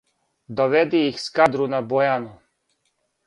Доведи их Скадру на Бојану,